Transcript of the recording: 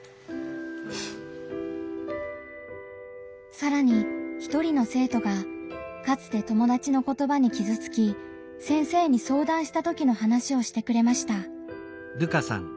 さらに一人の生徒がかつて友達の言葉にきずつき先生に相談したときの話をしてくれました。